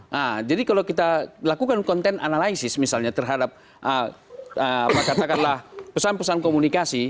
nah jadi kalau kita lakukan konten analisis misalnya terhadap katakanlah pesan pesan komunikasi